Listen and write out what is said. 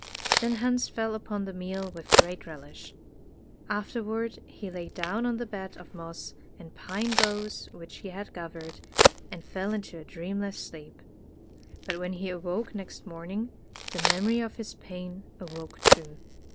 Then Hans fell upon the meal with great relish. Afterward he lay down on the bed of moss and pine boughs which he had gathered, and fell into a dreamless sleep. But when he awoke next morn ing, the memory of his pain awoke too.